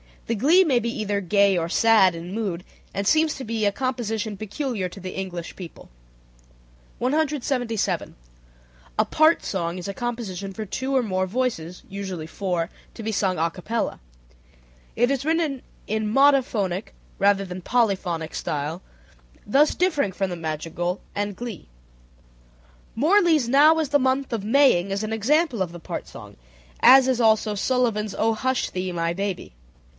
The glee may be either gay or sad in mood, and seems to be a composition peculiar to the English people. 177. A part song is a composition for two or more voices, (usually four) to be sung a capella. It is written in monophonic rather than in polyphonic style, thus differing from the madrigal and glee. Morley's "Now is the Month of Maying" is an example of the part song, as is also Sullivan's "O Hush Thee, My Baby."